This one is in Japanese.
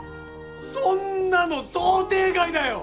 そんなの想定外だよ！